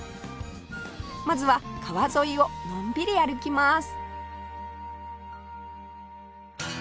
まずは川沿いをのんびり歩きます